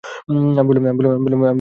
আমি বললুম, শোনো একবার কথা।